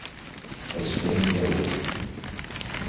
Asefru n Dawed.